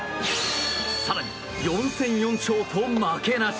更に、４戦４勝と負けなし！